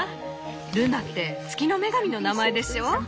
ルナって月の女神の名前でしょ。